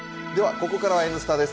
ここからは「Ｎスタ」です。